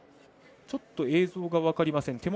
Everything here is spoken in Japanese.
ちょっと映像が分かりません。